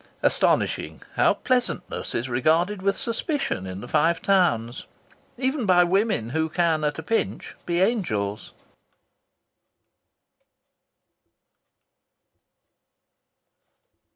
Astonishing, how pleasantness is regarded with suspicion in the Five Towns, even by women who can at a pinch be angels!